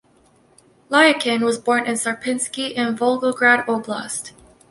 Lyachin was born in Sarpinsky in Volgograd Oblast.